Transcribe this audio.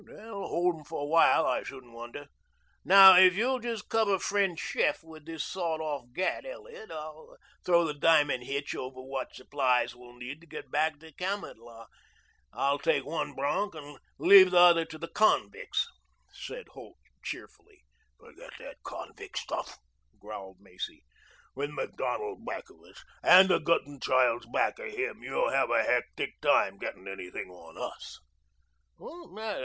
"That'll hold them for awhile, I shouldn't wonder. Now if you'll just cover friend chef with this sawed off gat, Elliot, I'll throw the diamond hitch over what supplies we'll need to get back to Kamatlah. I'll take one bronch and leave the other to the convicts," said Holt cheerfully. "Forget that convict stuff," growled Macy. "With Macdonald back of us and the Guttenchilds back of him, you'll have a hectic time getting anything on us."